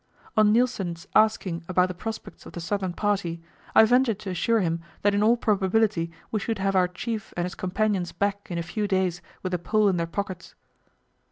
On Nilsen's asking about the prospects of the southern party, I ventured to assure him that in all probability we should have our Chief and his companions back in a few days with the Pole in their pockets.